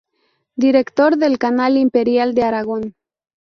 Director del Canal Imperial de Aragón.